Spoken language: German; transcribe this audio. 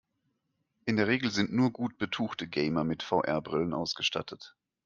In der Regel sind nur gut betuchte Gamer mit VR-Brillen ausgestattet.